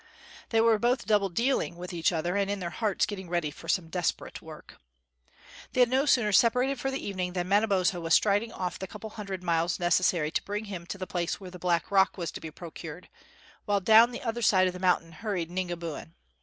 They were both double dealing with each other, and in their hearts getting ready for some desperate work. They had no sooner separated for the evening than Manabozho was striding off the couple of hundred miles necessary to bring him to the place where the black rock was to be procured, while down the other side of the mountain hurried Ningabiun.